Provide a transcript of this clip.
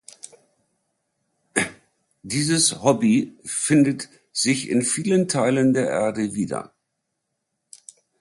Dieses Hobby findet sich in vielen Teilen der Erde wieder.